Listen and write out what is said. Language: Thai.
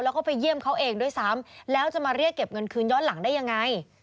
แล้วก็ไปเยี่ยมเขาเองด้วยซ้ำแล้วจะมาเรียกเก็บเงินคืนย้อนหลังได้ยังไง